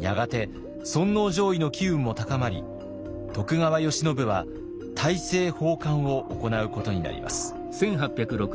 やがて尊王攘夷の機運も高まり徳川慶喜は大政奉還を行うことになります。